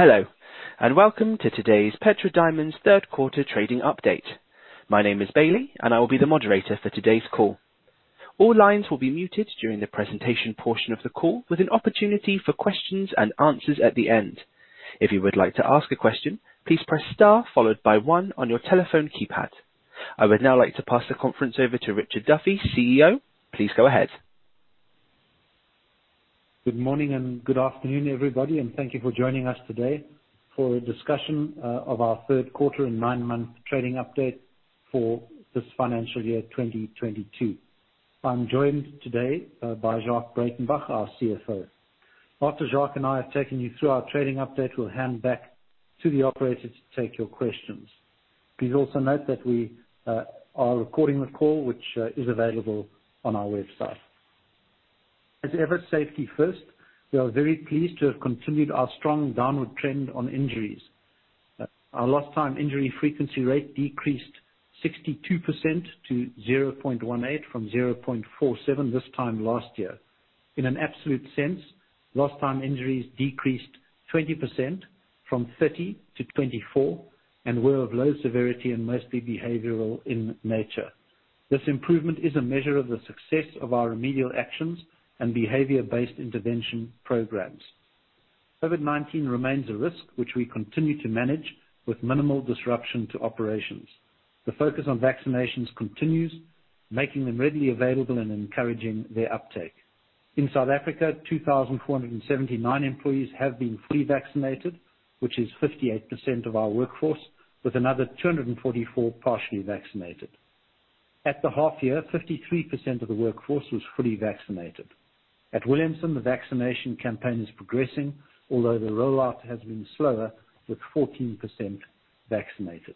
Hello, and welcome to today's Petra Diamonds third quarter trading update. My name is Bailey, and I will be the moderator for today's call. All lines will be muted during the presentation portion of the call, with an opportunity for questions and answers at the end. If you would like to ask a question, please press star followed by one on your telephone keypad. I would now like to pass the conference over to Richard Duffy, CEO. Please go ahead. Good morning and good afternoon, everybody, and thank you for joining us today for a discussion of our third quarter and nine-month trading update for this financial year, 2022. I'm joined today by Jacques Breytenbach, our CFO. After Jacques and I have taken you through our trading update, we'll hand back to the operator to take your questions. Please also note that we are recording the call, which is available on our website. As ever, safety first. We are very pleased to have continued our strong downward trend on injuries. Our lost time injury frequency rate decreased 62% to 0.18 from 0.47 this time last year. In an absolute sense, lost time injuries decreased 20% from 30 to 24, and were of low severity and mostly behavioral in nature. This improvement is a measure of the success of our remedial actions and behavior-based intervention programs. COVID-19 remains a risk which we continue to manage with minimal disruption to operations. The focus on vaccinations continues, making them readily available and encouraging their uptake. In South Africa, 2,479 employees have been fully vaccinated, which is 58% of our workforce, with another 244 partially vaccinated. At the half year, 53% of the workforce was fully vaccinated. At Williamson, the vaccination campaign is progressing, although the rollout has been slower, with 14% vaccinated.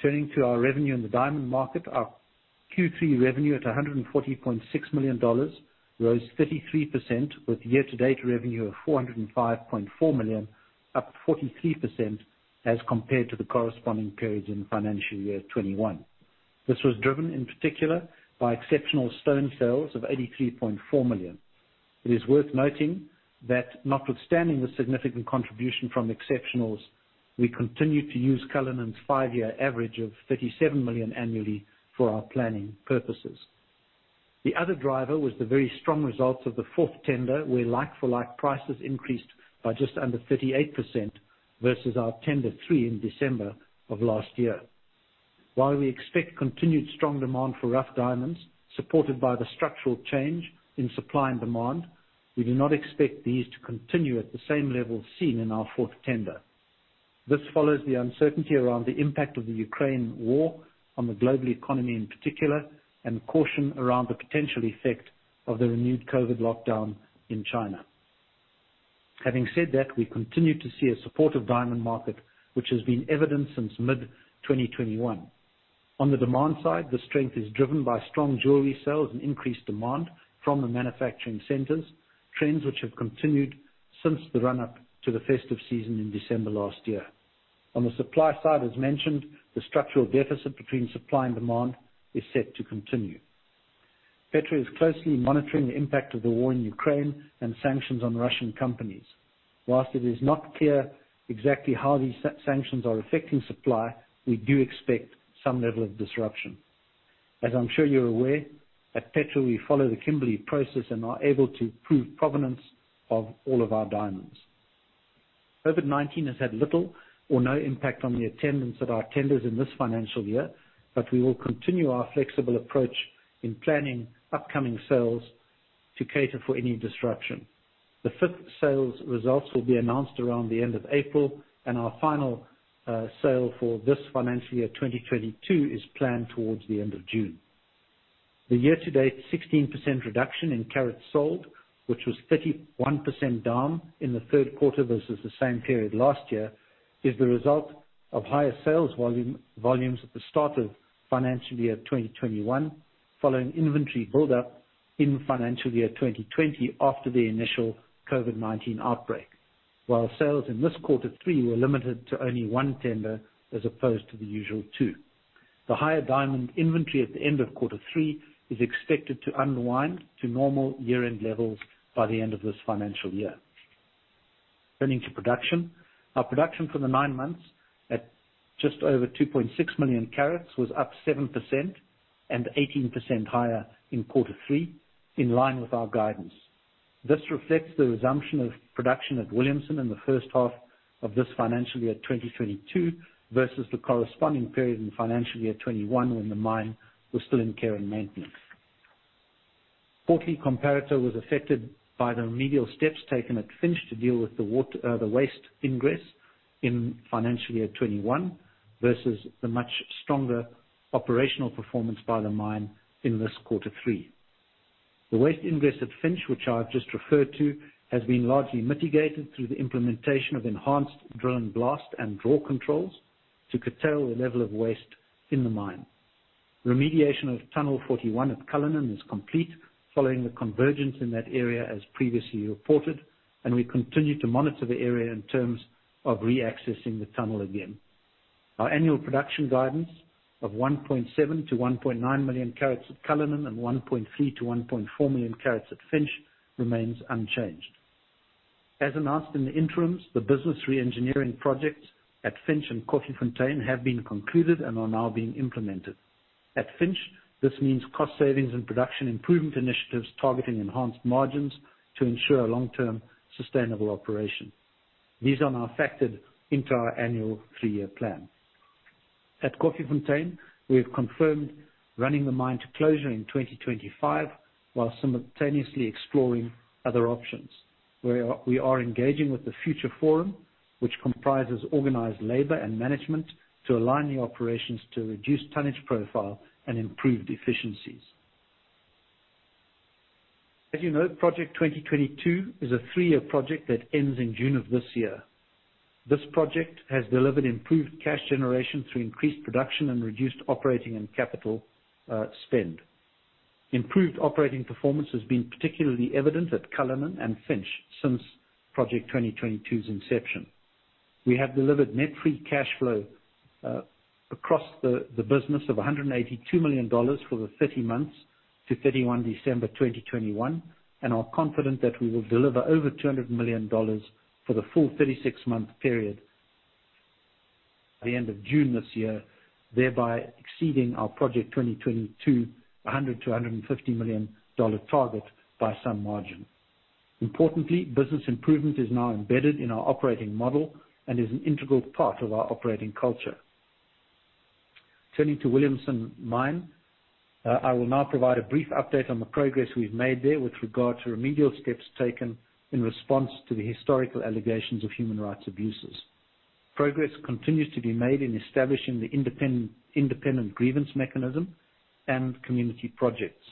Turning to our revenue in the diamond market, our Q3 revenue at $140.6 million rose 33% with year-to-date revenue of $405.4 million, up 43% as compared to the corresponding period in financial year 2021. This was driven in particular by exceptional stone sales of $83.4 million. It is worth noting that notwithstanding the significant contribution from exceptionals, we continue to use Cullinan's five-year average of $37 million annually for our planning purposes. The other driver was the very strong results of the fourth tender, where like-for-like prices increased by just under 38% versus our tender three in December of last year. While we expect continued strong demand for rough diamonds, supported by the structural change in supply and demand, we do not expect these to continue at the same level seen in our fourth tender. This follows the uncertainty around the impact of the Ukraine war on the global economy in particular, and caution around the potential effect of the renewed COVID lockdown in China. Having said that, we continue to see a supportive diamond market, which has been evident since mid-2021. On the demand side, the strength is driven by strong jewelry sales and increased demand from the manufacturing centers, trends which have continued since the run-up to the festive season in December last year. On the supply side, as mentioned, the structural deficit between supply and demand is set to continue. Petra is closely monitoring the impact of the war in Ukraine and sanctions on Russian companies. While it is not clear exactly how these sanctions are affecting supply, we do expect some level of disruption. As I'm sure you're aware, at Petra we follow the Kimberley Process and are able to prove provenance of all of our diamonds. COVID-19 has had little or no impact on the attendance at our tenders in this financial year, but we will continue our flexible approach in planning upcoming sales to cater for any disruption. The fifth sales results will be announced around the end of April, and our final sale for this financial year, 2022, is planned towards the end of June. The year-to-date 16% reduction in carats sold, which was 31% down in the third quarter versus the same period last year, is the result of higher sales volumes at the start of financial year 2021, following inventory buildup in financial year 2020 after the initial COVID-19 outbreak. While sales in this quarter three were limited to only one tender as opposed to the usual two. The higher diamond inventory at the end of quarter three is expected to unwind to normal year-end levels by the end of this financial year. Turning to production. Our production for the nine months at just over 2.6 million carats was up 7% and 18% higher in quarter three, in line with our guidance. This reflects the resumption of production at Williamson in the first half of this financial year, 2022, versus the corresponding period in financial year 2021 when the mine was still in care and maintenance. Quarterly comparator was affected by the remedial steps taken at Finsch to deal with the waste ingress in financial year 2021 versus the much stronger operational performance by the mine in this quarter three. The waste ingress at Finsch, which I've just referred to, has been largely mitigated through the implementation of enhanced drill and blast and draw controls to curtail the level of waste in the mine. Remediation of tunnel 41 at Cullinan is complete following the convergence in that area as previously reported, and we continue to monitor the area in terms of re-accessing the tunnel again. Our annual production guidance of 1.7-1.9 million carats at Cullinan and 1.3-1.4 million carats at Finsch remains unchanged. As announced in the interims, the business reengineering projects at Finsch and Koffiefontein have been concluded and are now being implemented. At Finsch, this means cost savings and production improvement initiatives targeting enhanced margins to ensure a long-term sustainable operation. These are now factored into our annual three-year plan. At Koffiefontein, we have confirmed running the mine to closure in 2025 while simultaneously exploring other options. We are engaging with the Future Forum, which comprises organized labor and management, to align the operations to reduce tonnage profile and improve efficiencies. As you know, Project 2022 is a three-year project that ends in June of this year. This project has delivered improved cash generation through increased production and reduced operating and capital spend. Improved operating performance has been particularly evident at Cullinan and Finsch since Project 2022's inception. We have delivered net free cash flow across the business of $182 million for the 30 months to 31 December 2021, and are confident that we will deliver over $200 million for the full 36-month period by the end of June this year, thereby exceeding our Project 2022 $100 million-$150 million target by some margin. Importantly, business improvement is now embedded in our operating model and is an integral part of our operating culture. Turning to Williamson mine, I will now provide a brief update on the progress we've made there with regard to remedial steps taken in response to the historical allegations of human rights abuses. Progress continues to be made in establishing the independent grievance mechanism and community projects.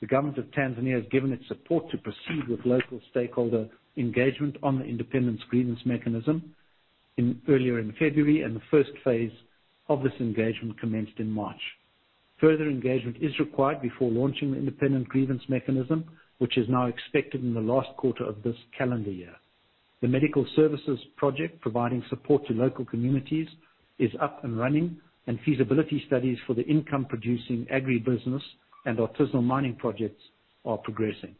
The government of Tanzania has given its support to proceed with local stakeholder engagement on the independent grievance mechanism in early February, and the first phase of this engagement commenced in March. Further engagement is required before launching the independent grievance mechanism, which is now expected in the last quarter of this calendar year. The medical services project providing support to local communities is up and running, and feasibility studies for the income-producing agribusiness and artisanal mining projects are progressing.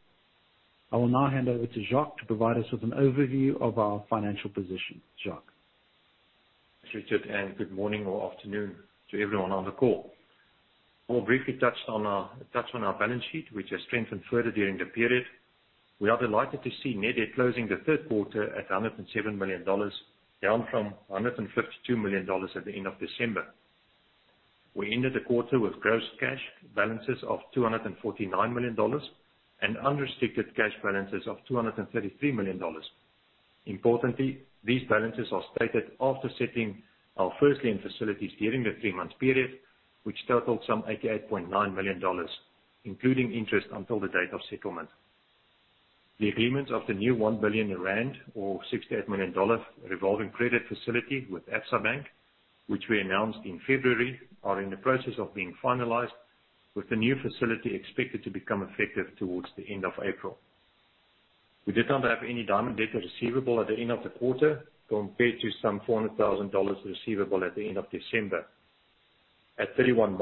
I will now hand over to Jacques to provide us with an overview of our financial position. Jacques. Richard, good morning or afternoon to everyone on the call. I will briefly touch on our balance sheet, which has strengthened further during the period. We are delighted to see net debt closing the third quarter at $107 million, down from $152 million at the end of December. We ended the quarter with gross cash balances of $249 million and unrestricted cash balances of $233 million. Importantly, these balances are stated after settling our first lien facilities during the three-month period, which totaled some $88.9 million, including interest until the date of settlement. The agreements of the new 1 billion rand or $68 million revolving credit facility with Absa Bank, which we announced in February, are in the process of being finalized, with the new facility expected to become effective towards the end of April. We did not have any diamond debtor receivable at the end of the quarter, compared to some $400,000 receivable at the end of December. At March 31,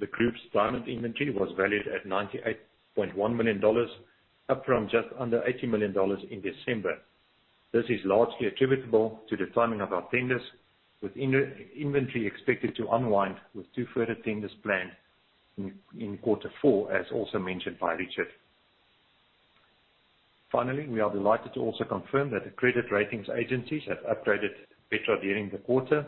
the group's diamond inventory was valued at $98.1 million, up from just under $80 million in December. This is largely attributable to the timing of our tenders, with inventory expected to unwind with two further tenders planned in quarter four, as also mentioned by Richard. Finally, we are delighted to also confirm that the credit rating agencies have upgraded Petra during the quarter.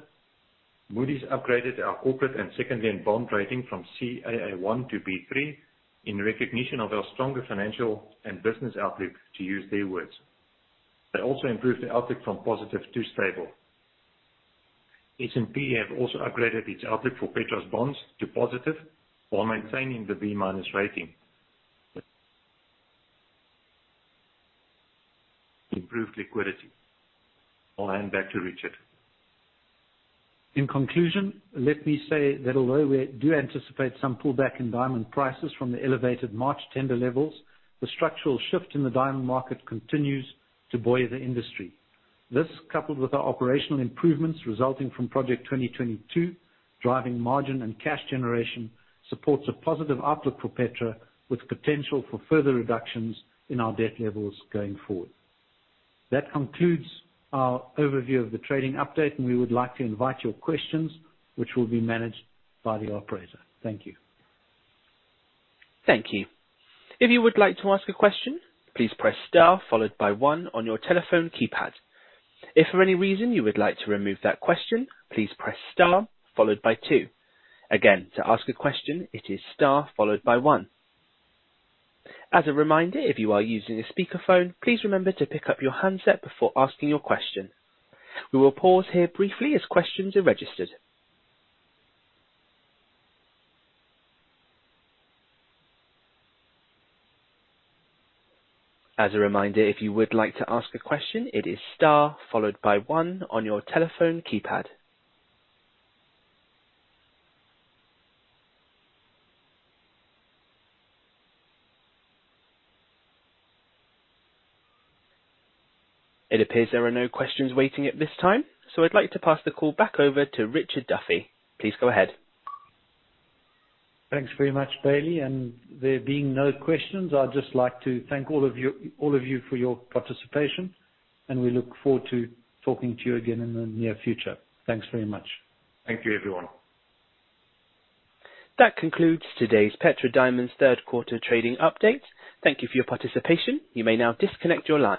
Moody's upgraded our corporate and secondary bond rating from Caa1 to B3 in recognition of our stronger financial and business outlook, to use their words. They also improved the outlook from positive to stable. S&P have also upgraded its outlook for Petra's bonds to positive while maintaining the B- rating, improved liquidity. I'll hand back to Richard. In conclusion, let me say that although we do anticipate some pullback in diamond prices from the elevated March tender levels, the structural shift in the diamond market continues to buoy the industry. This, coupled with our operational improvements resulting from Project 2022, driving margin and cash generation, supports a positive outlook for Petra, with potential for further reductions in our debt levels going forward. That concludes our overview of the trading update, and we would like to invite your questions, which will be managed by the operator. Thank you. Thank you. If you would like to ask a question, please press star followed by one on your telephone keypad. If for any reason you would like to remove that question, please press star followed by two. Again, to ask a question, it is star followed by one. As a reminder, if you are using a speaker phone, please remember to pick up your handset before asking your question. We will pause here briefly as questions are registered. As a reminder, if you would like to ask a question, it is star followed by one on your telephone keypad. It appears there are no questions waiting at this time, so I'd like to pass the call back over to Richard Duffy. Please go ahead. Thanks very much, Bailey. There being no questions, I'd just like to thank all of you, all of you for your participation, and we look forward to talking to you again in the near future. Thanks very much. Thank you, everyone. That concludes today's Petra Diamonds third quarter trading update. Thank you for your participation. You may now disconnect your line.